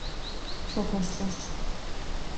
Çok hasta.